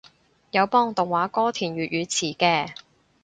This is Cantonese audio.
有幫動畫歌填粵語詞嘅